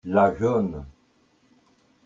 la jaune.